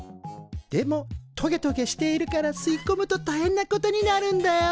でもトゲトゲしているから吸いこむとたいへんなことになるんだよ。